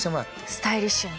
スタイリッシュに。